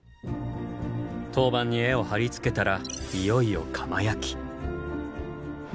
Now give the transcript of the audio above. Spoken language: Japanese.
陶板に絵を貼り付けたらいよいよ窯焼き。